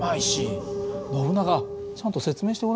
ノブナガちゃんと説明してごらん。